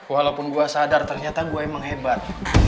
walaupun gue sadar ternyata gue emang hebat